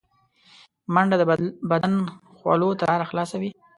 منډه د بدن خولو ته لاره خلاصوي